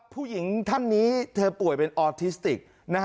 ผู้หญิงท่านนี้เธอป่วยเป็นออทิสติก